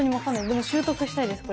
でも習得したいです